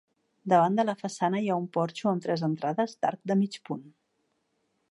Davant de la façana hi ha un porxo amb tres entrades d'arc de mig punt.